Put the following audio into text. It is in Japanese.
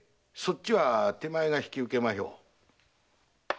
そっちは手前が引き受けましょ。